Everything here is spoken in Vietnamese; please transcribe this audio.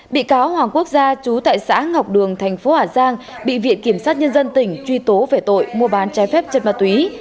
bị cáo hoàng quốc gia chú tại xã ngọc đường thành phố hà giang bị viện kiểm sát nhân dân tỉnh truy tố về tội mua bán trái phép chất ma túy